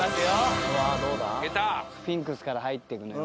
スフィンクスから入ってくのよ。